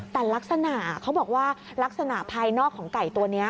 แต่ลักษณะเขาบอกว่าลักษณะภายนอกของไก่ตัวนี้